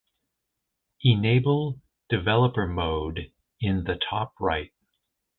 Enable Developer mode in the top right